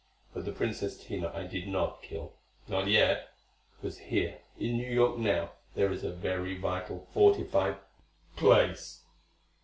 But the Princess Tina I did not kill. Not yet. Because here in New York now there is a very vital fortified place.